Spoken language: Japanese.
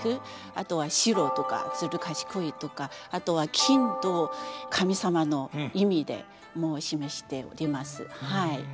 あとは白とかずる賢いとかあとは金神様の意味で示しております。